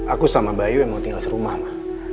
aku sama bayu yang mau tinggal di rumah ma